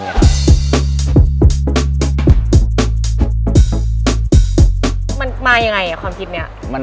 มันมายังไงความคิดนี้